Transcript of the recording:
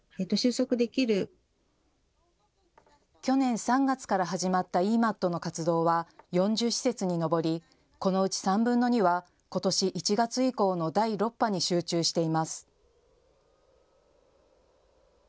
去年３月から始まったｅＭＡＴの活動は４０施設に上りこのうち３分の２はことし１月以降の第６波に集中しています。